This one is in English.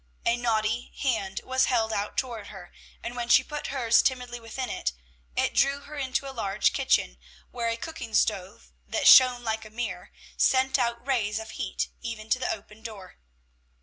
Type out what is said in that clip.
A knotty hand was held out toward her, and when she put hers timidly within it, it drew her into a large kitchen, where a cooking stove, that shone like a mirror, sent out rays of heat even to the open door.